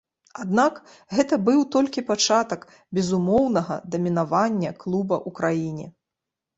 Аднак, гэта быў толькі пачатак безумоўнага дамінавання клуба ў краіне.